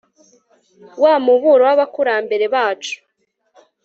wa muburo w'abakurambere bacu